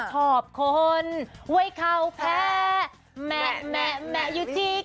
เชิญกิน